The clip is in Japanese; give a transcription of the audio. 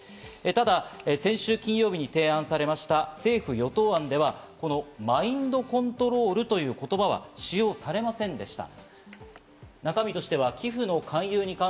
ただ先週金曜日に提案されました政府・与党案では、このマインドコントロールという言葉は使用されませんでした。